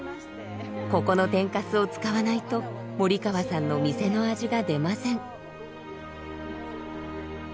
ここの天かすを使わないと森川さんの店の味が出ません。